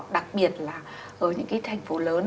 đặc biệt là ở những cái thành phố lớn